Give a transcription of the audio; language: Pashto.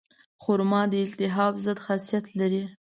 خرما د التهاب ضد خاصیت لري.